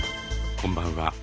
こんばんは。